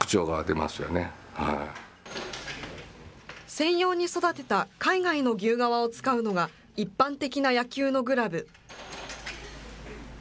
専用に育てた海外の牛革を使うのが一般的な野球のグラブ。